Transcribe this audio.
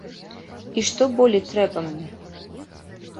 І што болей трэба мне?